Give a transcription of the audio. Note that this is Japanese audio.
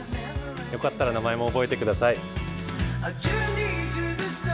よかったら名前も覚えてください。